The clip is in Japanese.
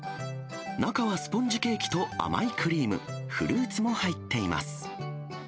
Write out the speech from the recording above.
中はスポンジケーキと甘いクリーム、フルーツも入っています。